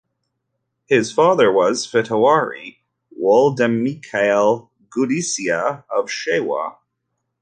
His father was "Fitawrari" Woldemikael Gudisa of Shewa.